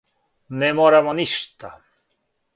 Не морамо ништа.